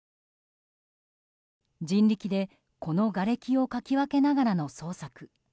人力で、このがれきをかき分けながらの捜索。